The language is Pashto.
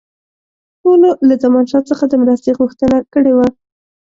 ټولو له زمانشاه څخه د مرستې غوښتنه کړې وه.